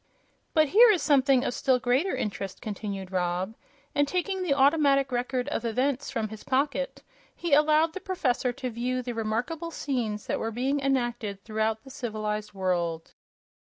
"But here is something of still greater interest," continued Rob, and taking the Automatic Record of Events from his pocket he allowed the professor to view the remarkable scenes that were being enacted throughout the civilized world.